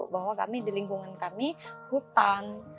bahwa kami di lingkungan kami hutan